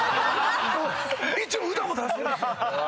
「一応歌も出してるし」